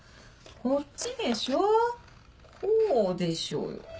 こっちでしょこうでしょうよ。